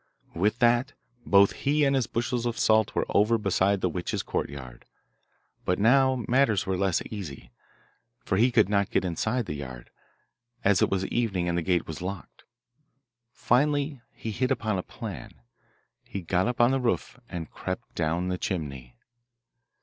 With that both he and his bushel of salt were over beside the witch's courtyard. But now matters were less easy, for he could not get inside the yard, as it was evening and the gate was locked. Finally he hit upon a plan; he got up on the roof and crept down the chimney.